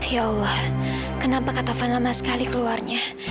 ya allah kenapa kata van lama sekali keluarnya